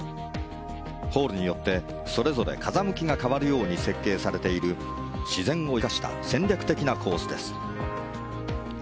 ホールによってそれぞれ風向きが変わるように設計されている、自然を生かした戦略的なコースです。